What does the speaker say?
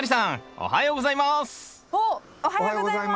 おはようございます。